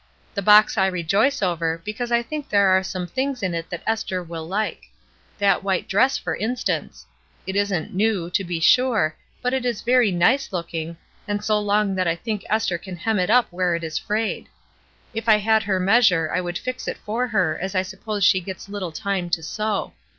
The box I rejoice over, because I think there are some things in it that Esther will like. That white dress, for instance. It isn't new, to be sure, but it is very nice looking, and so long that I think Esther can hem it up where it is frayed. If I had her measure, I would fix it for her, as I sup pose she gets little time to sew.